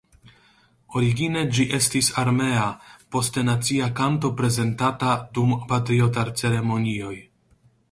Origine ĝi estis armea, poste nacia kanto prezentata dum patriotaj ceremonioj.